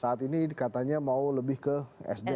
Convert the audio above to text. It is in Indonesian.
saat ini katanya mau lebih ke sd